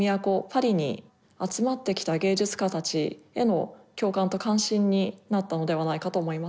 パリに集まってきた芸術家たちへの共感と関心になったのではないかと思います。